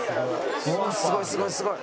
すごいすごいすごい！